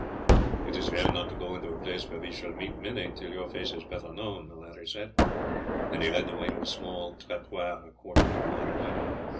"It is well not to go into a place where we shall meet many till your face is better known," the latter said; and he led the way to a small trattoir a quarter of a mile away.